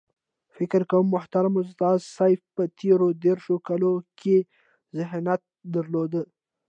فکر کوم محترم استاد سیاف په تېرو دېرشو کالو کې ذهانت درلود.